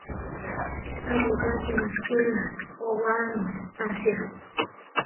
Aríwachi machína koʼwáami asia.